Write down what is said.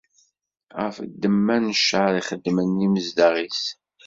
Ɣef ddemma n ccer i xeddmen yimezdaɣ-is.